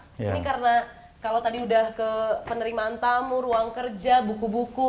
ini karena kalau tadi udah ke penerimaan tamu ruang kerja buku buku